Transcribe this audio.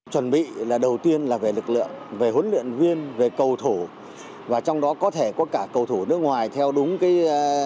chuẩn bị là đầu tiên là về lực lượng về huấn luyện viên về cầu thủ và trong đó có thể có cả cầu thủ nước ngoài theo đúng cái